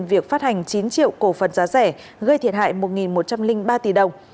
việc phát hành chín triệu cổ phần giá rẻ gây thiệt hại một một trăm linh ba tỷ đồng